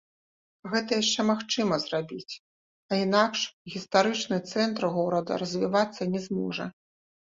Гэта яшчэ магчыма зрабіць, а інакш гістарычны цэнтр горада развівацца не зможа.